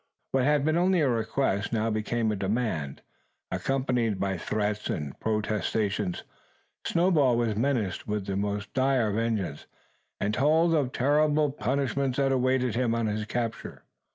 What had been only a request, now became a demand, accompanied by threats and protestation. Snowball was menaced with the most dire vengeance; and told of terrible punishments that awaited him on his capture.